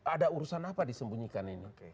ada urusan apa disembunyikan ini